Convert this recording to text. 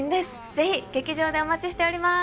ぜひ劇場でお待ちしております